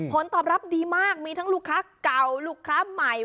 ผลตอบรับดีมากมีทั้งลูกค้าเก่าลูกค้าใหม่